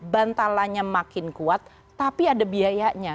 bantalannya makin kuat tapi ada biayanya